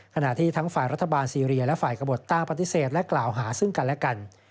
ขณะที่ทั้งฝ่ายรัฐบาลซีเรียและฝ่ายกระบดตั้งปฏิเสธและกล่าวหาซึ่งกันและกัน